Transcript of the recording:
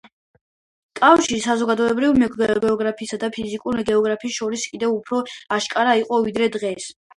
კავშირი საზოგადოებრივ გეოგრაფიასა და ფიზიკურ გეოგრაფიას შორის კიდევ უფრო აშკარა იყო ვიდრე დღეს.